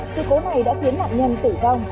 sự cố này đã khiến mạng nhân tỉ vong